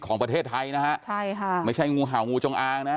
ของประเทศไทยนะฮะใช่ค่ะไม่ใช่งูเห่างูจงอางนะ